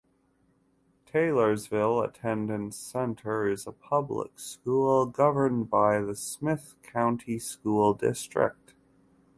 Taylorsville Attendance Center is a public school governed by the Smith County School District.